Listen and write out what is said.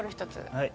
はい。